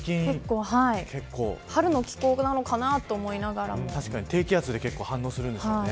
春の気候なのかなと思いな低気圧で反応するんですよね。